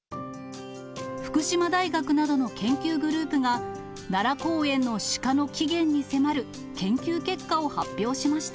福島大学などの研究グループが、奈良公園のシカの起源に迫る研究結果を発表しました。